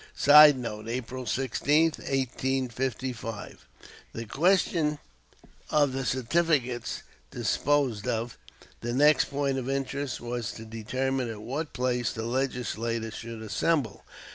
[Sidenote: April 16, 1855.] The question of the certificates disposed of, the next point of interest was to determine at what place the Legislature should assemble.